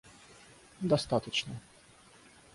достаточно